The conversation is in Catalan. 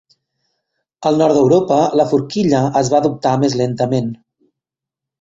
Al nord d'Europa, la forquilla es va adoptar més lentament.